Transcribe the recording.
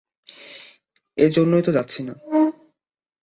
এই জন্যই তো যাচ্ছি না।